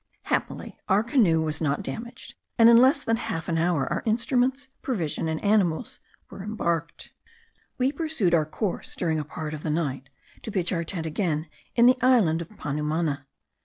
Happily our canoe was not damaged and in less than half an hour our instruments, provision, and animals, were embarked. We pursued our course during a part of the night, to pitch our tent again in the island of Panumana.